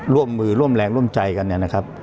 ร่วมมือร่วมแรงร่วมใจกันเนี่ยนะครับ